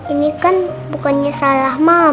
ini kan bukannya salah malam